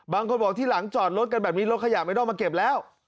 บางคนบอกที่หลังจอดรถกันแบบนี้รถขยะไม่ต้องมาเก็บแล้ว